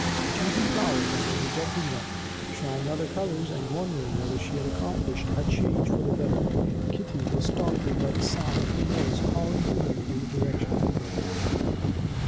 Choosing flowers and then rejecting them, trying other colors and wondering whether she had accomplished a change for the better, Kitty was startled by the sound of a voice calling to her from the direction of the brook.